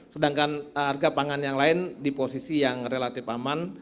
sedangkan harga pangan yang lain di posisi yang relatif aman